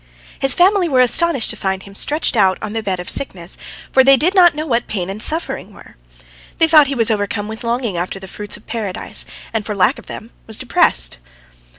His family were astonished to find him stretched out on the bed of sickness, for they did not know what pain and suffering were. They thought he was overcome with longing after the fruits of Paradise, and for lack of them was depressed.